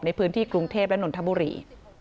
ในพื้นที่กรุงเทพและนนทบุรี